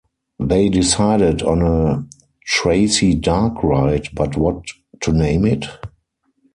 They decided on a Tracy dark ride, but what to name it?